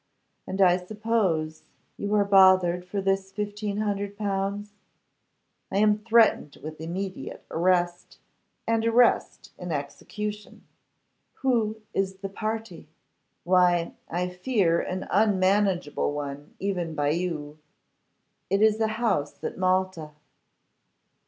And I suppose you are bothered for this 1,500L.' 'I am threatened with immediate arrest, and arrest in execution.' 'Who is the party?' 'Why, I fear an unmanageable one, even by you. It is a house at Malta.